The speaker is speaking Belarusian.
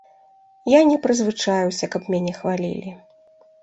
Я не прызвычаіўся, каб мяне хвалілі.